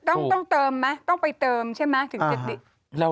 ต้องเติมไหมต้องไปเติมใช่ไหมถึงจะติด